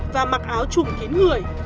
và mặc áo trùng kín người